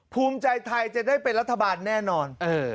ภูมิใจไทยจะได้เป็นรัฐบาลแน่นอน